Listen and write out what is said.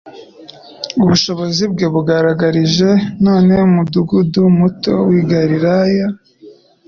Ubushobozi bwe yabugaragarije nn mudugudu muto w'i Galilaya,